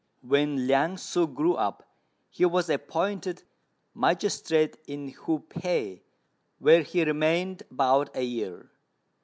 When Liang ssŭ grew up, he was appointed magistrate in Hu pei, where he remained about a year.